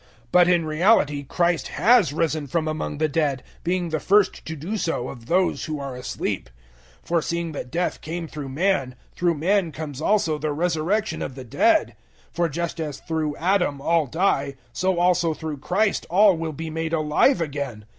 015:020 But, in reality, Christ *has* risen from among the dead, being the first to do so of those who are asleep. 015:021 For seeing that death came through man, through man comes also the resurrection of the dead. 015:022 For just as through Adam all die, so also through Christ all will be made alive again.